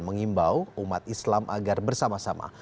mengimbau umat islam agar bersama sama